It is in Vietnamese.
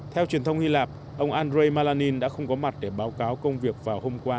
theo truyền thông hy lạp ông andrei malanin đã không có mặt để báo cáo công việc vào hôm qua